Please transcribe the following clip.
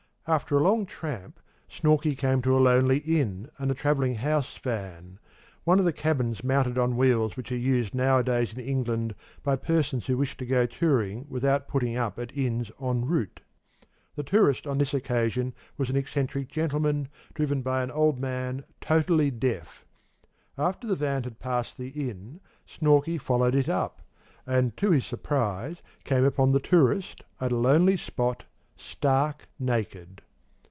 After a long tramp, Snorkey came to a lonely inn, and a travelling house van one of the cabins mounted on wheels which are used nowadays in England by persons who wish to go touring without putting up at inns en route. The tourist on this occasion was an eccentric gentleman, driven by an old man, totally deaf. After the van had passed the inn, Snorkey followed it up, and, to his surprise, came upon the tourist, at a lonely spot, stark naked.